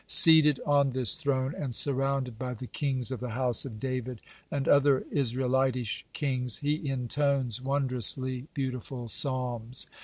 Seated on this throne and surrounded by the kings of the house of David and other Israelitish kings, he intones wondrously beautiful psalms.